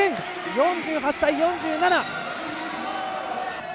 ４８対４７。